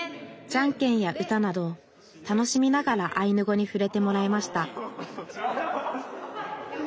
じゃんけんや歌など楽しみながらアイヌ語にふれてもらいました